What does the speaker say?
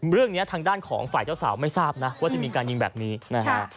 เรื่องนี้ทางด้านของฝ่ายเจ้าสาวไม่ทราบนะว่าจะมีการยิงแบบนี้นะฮะ